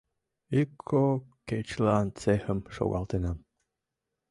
Ик-кок кечылан цехым шогалтенам.